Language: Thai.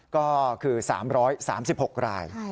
ก็คือ๓๓๖ราย